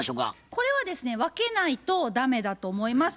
これはですね分けないと駄目だと思います。